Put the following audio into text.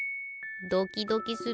ドキドキする。